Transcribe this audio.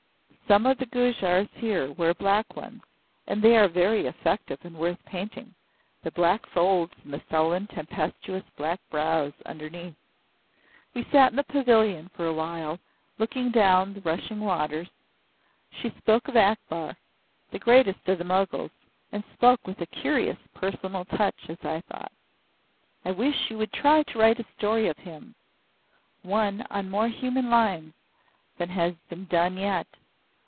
Some of the Gujars here wear black ones and they are very effective and worth painting the black folds and the sullen tempestuous black brows underneath." We sat in the pavilion for awhile looking down on the rushing water, and she spoke of Akbar, the greatest of the Moguls, and spoke with a curious personal touch, as I thought. "I wish you would try to write a story of him one on more human lines than has been done yet.